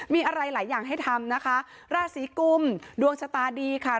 มีอะไรหลายอย่างให้ทำนะคะราศีกุมดวงชะตาดีค่ะ